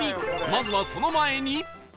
まずはその前に